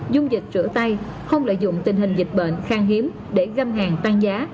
dung dịch rửa tay không lợi dụng tình hình dịch bệnh khang hiếm để găm hàng tăng giá